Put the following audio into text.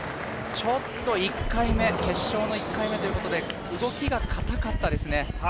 ちょっと１回目、決勝の１回目ということで動きが硬かったですね。